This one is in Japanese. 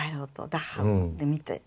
ダッハウで見て。